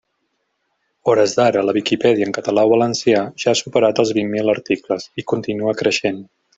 A hores d'ara la Viquipèdia en català o valencià, ja ha superat els vint mil articles, i continua creixent.